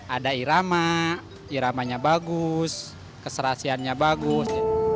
ada irama iramanya bagus keserasiannya bagus